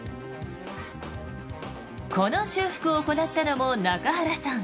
この修復を行ったのも中原さん。